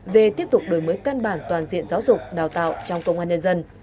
về tiếp tục đổi mới căn bản toàn diện giáo dục đào tạo trong công an nhân dân